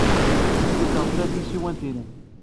Cikkeɣ ta d tasiwant-nnem.